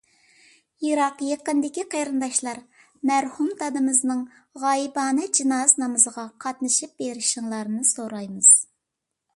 يىراق-يېقىندىكى قېرىنداشلار، مەرھۇم دادىمىزنىڭ غايىبانە جىنازا نامىزىغا قاتنىشىپ بېرىشىڭلارنى سورايمىز.